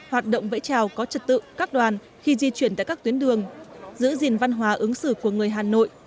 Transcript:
hoạt động vẫy trào có trật tự các đoàn khi di chuyển tại các tuyến đường giữ gìn văn hóa ứng xử của người hà nội